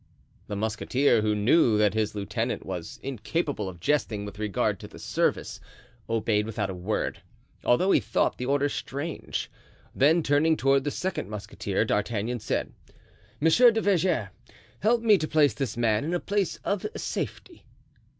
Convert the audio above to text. The musketeer, who knew that his lieutenant was incapable of jesting with regard to the service, obeyed without a word, although he thought the order strange. Then turning toward the second musketeer, D'Artagnan said: "Monsieur du Verger, help me to place this man in a place of safety."